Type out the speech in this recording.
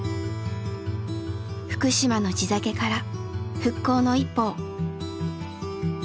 「福島の地酒から復興の一歩を！」。